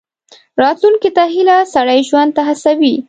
راتلونکي ته هیله، سړی ژوند ته هڅوي.